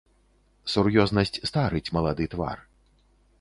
Сур'ёзнасць старыць малады твар.